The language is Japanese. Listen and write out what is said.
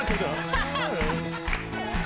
ハハハハ！